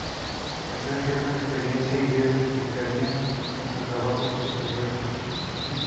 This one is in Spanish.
Extrajeron experiencia e ideas que aplicarían en sus trabajos posteriores.